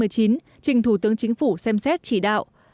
trình thủ tướng chính phủ xem xét chỉ đạo